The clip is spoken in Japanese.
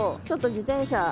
ちょっと自転車。